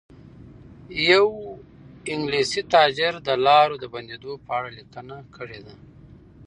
یو انګلیسي تاجر د لارو د بندېدو په اړه لیکنه کړې ده.